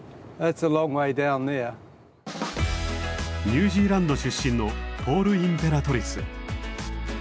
ニュージーランド出身のポール・インペラトリス。